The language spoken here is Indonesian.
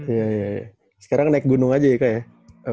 iya sekarang naik gunung aja ya kak ya